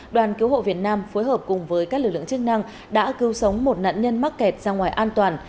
đoàn cứu hộ việt nam phối hợp cùng với các lực lượng chức năng đã cứu sống một nạn nhân mắc kẹt ra ngoài an toàn